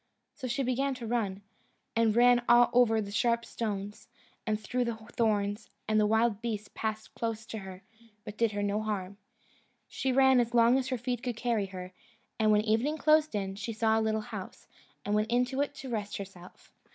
So she began to run, and ran over the sharp stones, and through the thorns; and the wild beasts passed close to her, but did her no harm. She ran as long as her feet could carry her, and when evening closed in, she saw a little house, and went into it to rest herself.